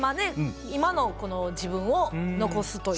今のこの自分を残すという。